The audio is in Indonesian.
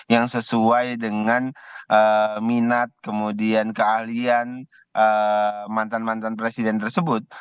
yang sesuai dengan minat kemudian keahlian mantan mantan presiden tersebut